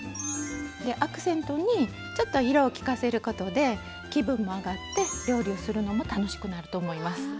アクセントにちょっと色をきかせることで気分も上がって料理をするのも楽しくなると思います。